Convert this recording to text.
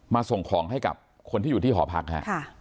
ส่งของให้กับคนที่อยู่ที่หอพักฮะ